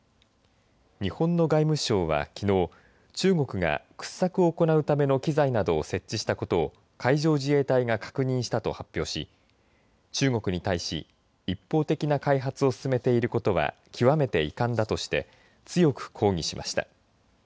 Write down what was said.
日本の外務省はきのう中国が掘削を行うための機材などを設置したことを海上自衛隊が確認したと発表し中国に対し一方的な開発を進めていることは極めて遺憾だとして強く抗議しました。